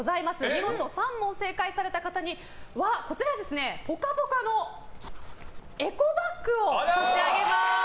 見事３問正解された方にはこちら、「ぽかぽか」のエコバッグを差し上げます。